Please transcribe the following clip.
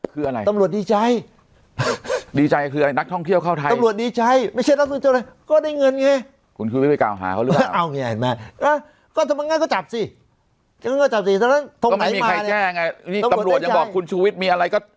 ก็ก็ก็จับสิก็จับสิก็ไม่มีใครแจ้งนี่ตำรวจจะบอกคุณชูวิตมีอะไรก็